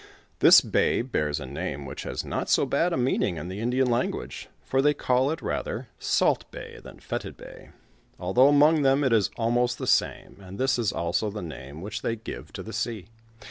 This bay bears a name which has not so bad a meaning in the Indian language, for they call it rather Salt Bay than Fetid Bay, although among them it is almost the same, and this is also the name whicb thoy give to the sea.